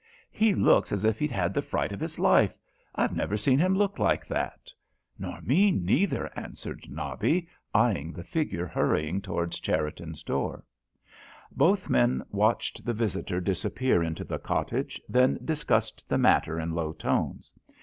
"He looks as if he'd had the fright of his life—I've never seen him look like that." "Nor me, neither," answered Nobby, eyeing the figure hurrying towards Cherriton's door. Both men watched the visitor disappear into the cottage, then discussed the matter in low tones.